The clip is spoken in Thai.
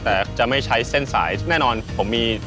แต่จะไม่ใช้เส้นสายแน่นอนผมมี